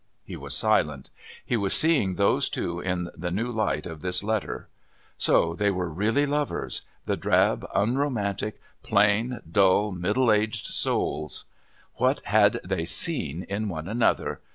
He was silent. He was seeing those two in the new light of this letter. So they were really lovers, the drab, unromantic, plain, dull, middle aged souls! What had they seen in one another?